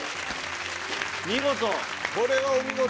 見事！